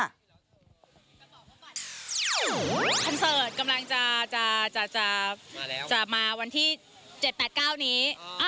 คอนเสิร์ตกำลังจะมาวันที่๗๘๙นี้